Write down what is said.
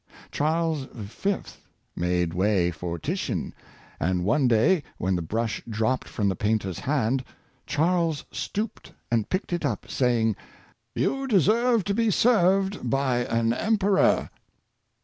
Charles V. made way for Titian, and one day, when the brush dropped from the painter's hand, Charles stooped and picked it up, saying, " you deserve to be served by an emperor."